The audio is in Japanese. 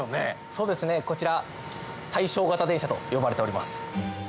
そうですねこちら。と呼ばれております。